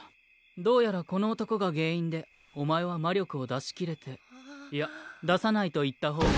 どうやらこの男が原因でお前は魔力を出しきれていや出さないと言った方が。